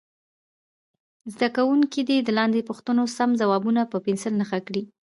زده کوونکي دې د لاندې پوښتنو سم ځوابونه په پنسل نښه کړي.